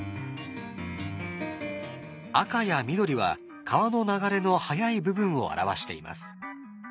赤や緑は川の流れの速い部分を表しています。